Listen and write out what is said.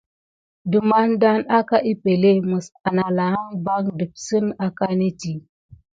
Demedane aka epəŋle mis analan ban depensine akanedi.